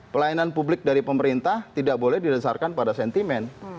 pelayanan publik dari pemerintah tidak boleh didasarkan pada sentimen